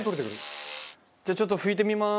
じゃあちょっと拭いてみます。